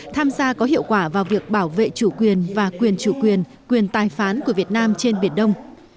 tham gia có hiệu quả vào việc bảo vệ chủ quyền và quyền chủ quyền quyền tài phán của việt nam trên biển đông